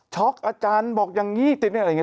ช็อกอาจารย์บอกอย่างนี้ซึ่งอะไรอย่างนี้